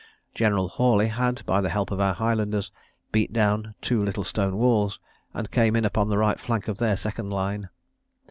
General Hawley had, by the help of our Highlanders, beat down two little stone walls, and came in upon the right flank of their second line.